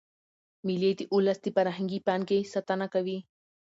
مېلې د اولس د فرهنګي پانګي ساتنه کوي.